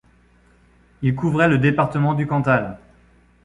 Il couvrait le département du Cantal.